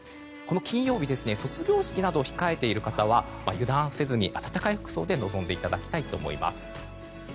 この金曜日は卒業式などを控えている方は油断せずに暖かい服装で臨んでいただきたいと思います。